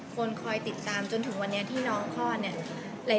คนคอยติดตามจนถึงวันนี้ที่น้องคลอดเนี่ย